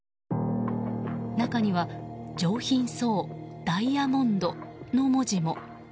中には「上品そう、ダイヤモンド」の文字も。